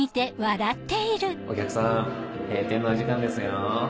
お客さん閉店のお時間ですよ。